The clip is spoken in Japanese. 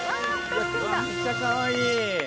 めっちゃかわいい！